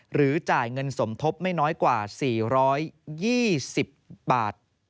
จ่ายเงินสมทบไม่น้อยกว่า๔๒๐บาท